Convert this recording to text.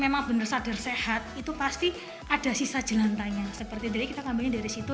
memang benar sadar sehat itu pasti ada sisa jelantanya seperti jadi kita ngambilnya dari situ